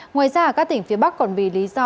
ngoài ra các tỉnh phía bắc còn vì lý do